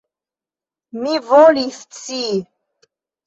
Mi volis scii!